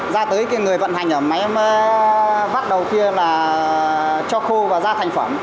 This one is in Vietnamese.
ra tới người vận hành máy vắt đầu kia là cho khô và ra thành phẩm